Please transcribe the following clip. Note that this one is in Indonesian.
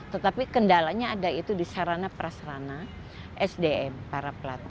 tetapi kendalanya ada itu di sarana prasarana sdm para pelaku